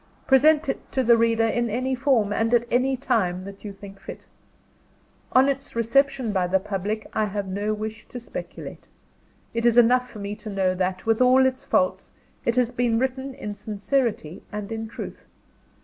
Present it to the reader in any form, and at any time, that you think fit. On its reception by the public I have no wish to speculate. It is enough for me to know that, with all its faults, it has been written in sincerity and in truth.